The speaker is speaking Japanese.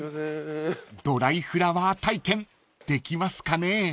［ドライフラワー体験できますかね？］